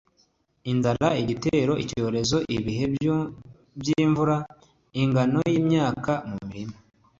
inzara, igitero, icyorezo, ibihe by'imvura, ingano y'imyaka mu mirima